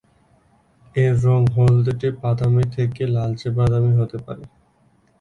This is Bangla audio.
এর রঙ হলদেটে-বাদামী থেকে লালচে-বাদামী হতে পারে।